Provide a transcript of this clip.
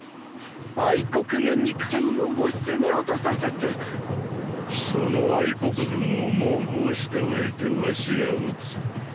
国軍に咸陽を攻め落とさせてその国軍を蒙武を従えて儂が討つ。